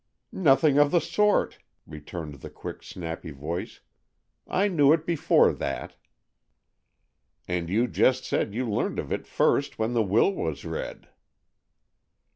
"Nothing of the sort," returned the quick, snappy voice. "I knew it before that." "And you just said you learned of it first when the will was read!"